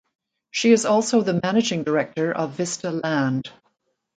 She is also the Managing Director of Vista Land.